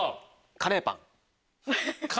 カレーパン。